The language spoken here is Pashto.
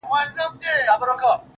سیاه پوسي ده، اوښکي نڅېږي.